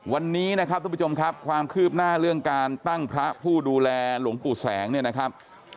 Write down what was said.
วันนี้นะครับทุกผู้ชมครับความคืบหน้าเรื่องการตั้งพระผู้ดูแลหลวงปู่แสงเนี่ยนะครับ